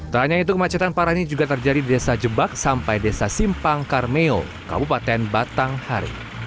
tak hanya itu kemacetan parah ini juga terjadi di desa jebak sampai desa simpang karmeo kabupaten batanghari